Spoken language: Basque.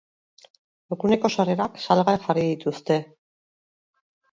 Eguneko sarrerak salgai jarri dituzte.